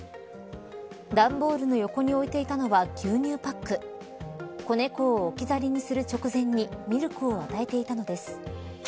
段ボールの横に置いていたのは牛乳パック子猫を置き去りにする直前にミルクを与えていたのです。